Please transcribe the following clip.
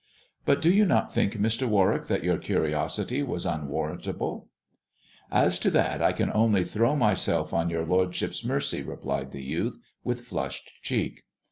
But do you not think, Mr. Warwick, that your curiosity was unwarrantable 1 "" As to that I can only throw myself on your lordship's mercy," replied the youth, with flushed cheek.